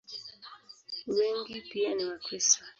Wengi pia ni Wakristo.